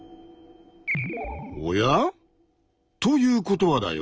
おや？ということはだよ